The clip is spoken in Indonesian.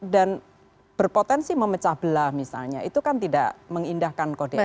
dan berpotensi memecah belah misalnya itu kan tidak mengindahkan kode etik